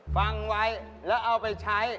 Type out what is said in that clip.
ฟังไว้แล้วเอาไปใช้